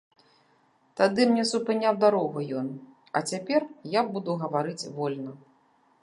Тады мне супыняў дарогу ён, а цяпер я буду гаварыць вольна.